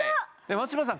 松嶋さん